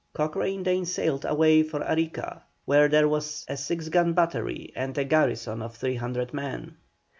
Cochrane then sailed away for Arica, where there was a six gun battery and a garrison of 300 men.